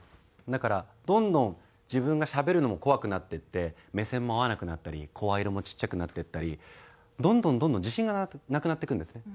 だからどんどん自分がしゃべるのも怖くなっていって目線も合わなくなったり声色もちっちゃくなってったりどんどんどんどん自信がなくなっていくんですね。